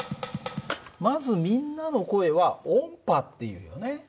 まずみんなの声は音波っていうよね。